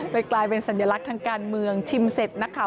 กลายเป็นสัญลักษณ์ทางการเมืองชิมเสร็จนักข่าว